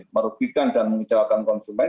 merugikan dan mengejauhkan konsumen